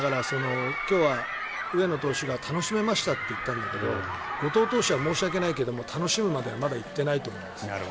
今日は上野投手が楽しめましたと言ったんですけど後藤投手は申し訳ないけど楽しむまではまだ行っていないと思います。